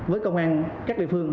với công an các địa phương